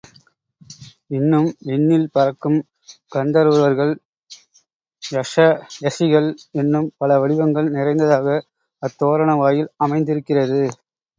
இன்னும் விண்ணில் பறக்கும் கந்தருவர்கள், யக்ஷ யக்ஷிகள் என்னும் பல வடிவங்கள் நிறைந்ததாக அத்தோரண வாயில் அமைந்திருக்கிறது.